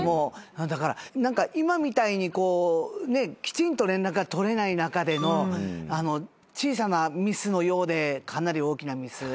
だから今みたいにきちんと連絡が取れない中での小さなミスのようでかなり大きなミス。